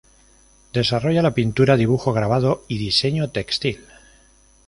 Desarrolla la pintura, dibujo, grabado y diseño textil.